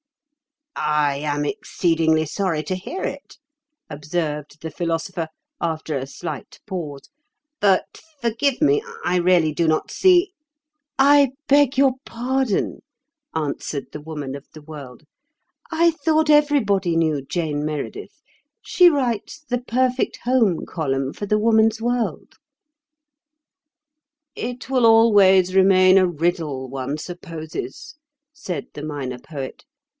"I am exceedingly sorry to hear it," observed the Philosopher, after a slight pause. "But forgive me, I really do not see—" "I beg your pardon," answered the Woman of the World. "I thought everybody knew 'Jane Meredith.' She writes 'The Perfect Home' column for The Woman's World." "It will always remain a riddle, one supposes," said the Minor Poet.